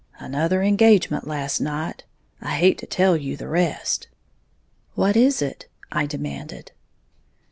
"Another engagement last night, I hate to tell you the rest." "What is it?" I demanded.